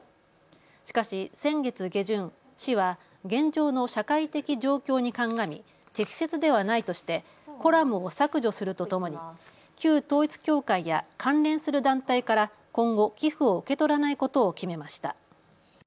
しかし先月下旬、市は現状の社会的状況に鑑み適切ではないとしてコラムを削除するとともに旧統一教会や関連する団体から今後、寄付を受け取らないことを決めました。